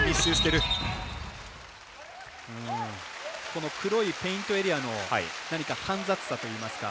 この黒いペイントエリアの煩雑さといいますか。